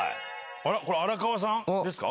荒川さんですか？